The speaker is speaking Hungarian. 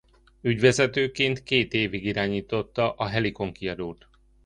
Ügyvezetőként két évig irányította a Helikon Kiadót.